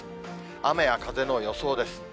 雨や風の予想です。